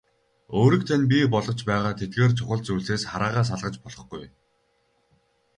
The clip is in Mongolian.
Өөрийг тань бий болгож байгаа тэдгээр чухал зүйлсээс хараагаа салгаж болохгүй.